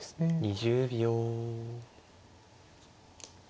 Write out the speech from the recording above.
２０秒。